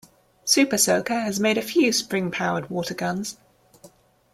Super Soaker has made a few spring-powered water guns.